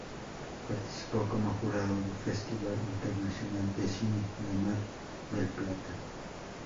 Participó como jurado de Festival Internacional de Cine de Mar del Plata.